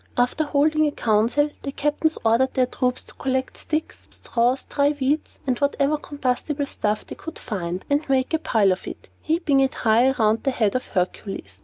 After holding a council, the captains ordered their troops to collect sticks, straws, dry weeds, and whatever combustible stuff they could find, and make a pile of it, heaping it high around the head of Hercules.